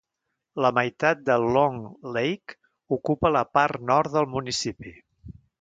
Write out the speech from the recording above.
La meitat de Long Lake ocupa la part nord del municipi.